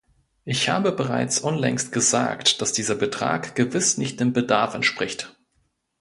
Ich habe bereits unlängst gesagt, dass dieser Betrag gewiss nicht dem Bedarf entspricht.